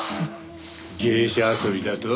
芸者遊びだと？